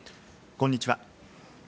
こんにちは。